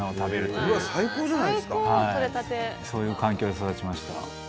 そういう環境で育ちました。